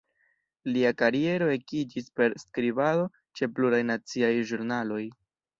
Lia kariero ekiĝis per skribado ĉe pluraj naciaj ĵurnaloj.